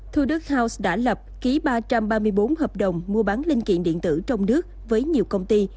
thu đức house đã lập ký ba trăm ba mươi bốn hợp đồng mua bán linh kiện điện tử trong nước với nhiều công ty